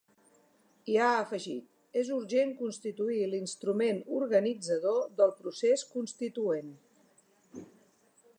I ha afegit: És urgent constituir l’instrument organitzador del procés constituent.